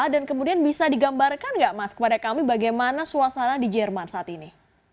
dan kemudian bisa digambarkan nggak mas kepada kami bagaimana suasana di jerman saat ini